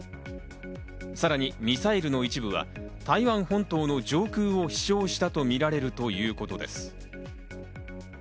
さらにミサイルの一部が台湾本島の上空を飛翔したとみられるということです。